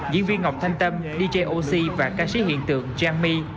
diễn viên ngọc thanh tâm dj oxy và ca sĩ hiện tượng giang my